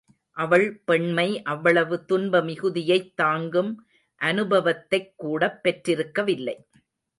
அவள் பெண்மை அவ்வளவு துன்ப மிகுதியைத் தாங்கும் அனுபவத்தைக்கூடப் பெற்றிருக்கவில்லை.